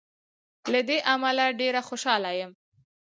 له دې امله ډېر خوشاله یم.